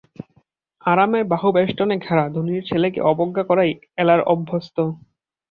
আরামের বাহুবেষ্টনে ঘেরা ধনীর ছেলেকে অবজ্ঞা করাই এলার অভ্যস্ত।